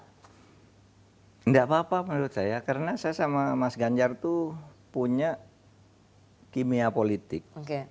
tidak apa apa menurut saya karena saya sama mas ganjar itu punya kimia politik